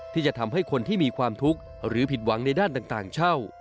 ที่จะทำให้คนที่มีความทุกข์หรือผิดหวังในด้านต่างเช่า